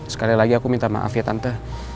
sekali lagi aku minta maaf ya tante